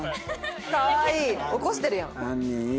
かわいい。起こしてるやん。